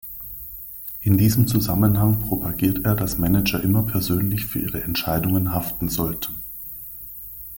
In diesem Zusammenhang propagiert er, dass Manager immer persönlich für ihre Entscheidungen haften sollten.